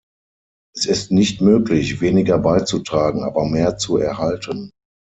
Es ist nicht möglich, weniger beizutragen, aber mehr zu erhalten.